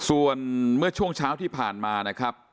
ส่วนเมื่อช่วงเช้าที่ผ่านมานะครับ